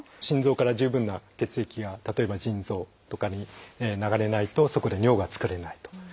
心臓から十分な血液が例えば腎臓とかに流れないとそこで尿が作れないと。